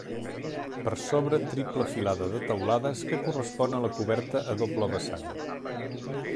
Per sobre triple filada de teulades que correspon a la coberta a doble vessant.